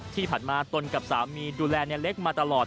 ที่ผ่านมาตนกับสามีดูแลในเล็กมาตลอด